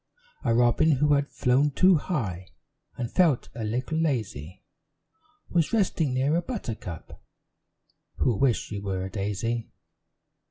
A robin, who had flown too high, And felt a little lazy, Was resting near a buttercup, Who wished she were a daisy.